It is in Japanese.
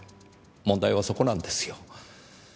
問題はそこなんですよ。